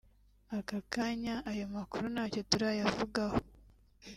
"Aka kanya ayo makuru ntacyo turayavugaho